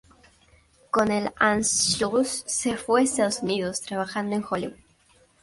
Con el Anschluss se fue a Estados Unidos, trabajando en Hollywood.